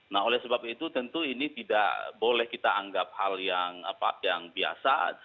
nah oleh sebab itu tentu ini tidak boleh kita anggap hal yang biasa